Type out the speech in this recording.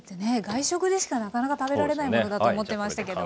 外食でしかなかなか食べられないものだと思ってましたけど。